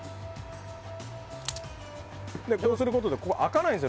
こうすることで開かないんですよ。